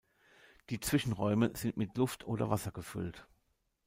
Die Zwischenräume sind mit Luft oder Wasser gefüllt.